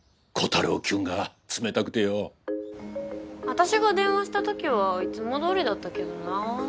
私が電話した時はいつもどおりだったけどなあ。